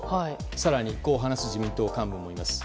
更にこう話す自民党幹部もいます。